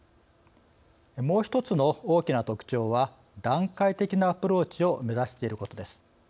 もう一つの大きな特徴は段階的なアプローチを目指していることです。